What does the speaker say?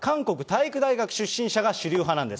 韓国体育大学出身者が主流派なんです。